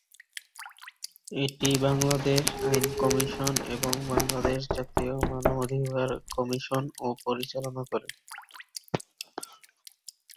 এটি বাংলাদেশ আইন কমিশন এবং বাংলাদেশ জাতীয় মানবাধিকার কমিশন ও পরিচালনার করে।